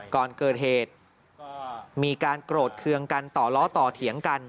ก่อนเกิดเหตุมีการโกรธเคืองกันต่อล้อต่อเถียงกัน